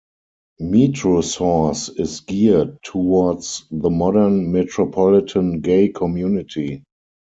"Metrosource" is geared towards the modern metropolitan gay community.